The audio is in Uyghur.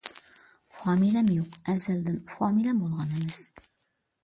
فامىلەم يوق، ئەزەلدىن فامىلەم بولغان ئەمەس.